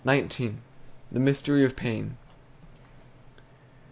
THE MYSTERY OF PAIN.